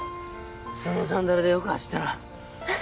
そのサンダルでよく走ったな。